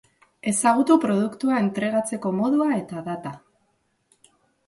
Ezagutu produktua entregatzeko modua eta data.